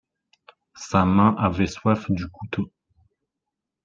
Sa main avait soif du couteau.